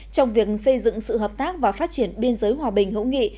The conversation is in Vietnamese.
trong việc xây dựng sự hợp tác và phát triển biên giới hòa bình hữu nghị